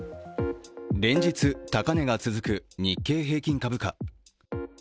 連日高値が続く日経平均株価。